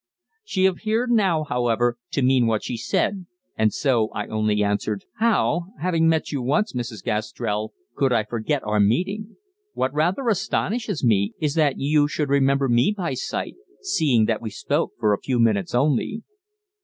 She appeared now, however, to mean what she said, and so I only answered: "How, having met you once, Mrs. Gastrell, could I forget our meeting? What rather astonishes me is that you should remember me by sight, seeing that we spoke for a few minutes only."